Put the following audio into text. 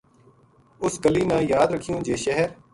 اس گل نا یاد رکھیوں جے شہر